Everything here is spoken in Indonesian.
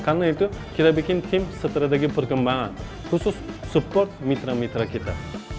karena itu kita bikin tim strategi perkembangan khusus support mitra mitra kita